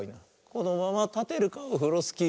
「このままたてるかオフロスキー」